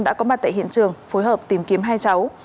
đã có mặt tại hiện trường phối hợp tìm kiếm hai cháu